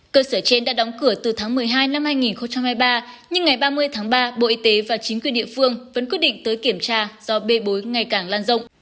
cơ sở trên đã đóng cửa từ tháng một mươi hai năm hai nghìn hai mươi ba nhưng ngày ba mươi tháng ba bộ y tế và chính quyền địa phương vẫn quyết định tới kiểm tra do bê bối ngày càng lan rộng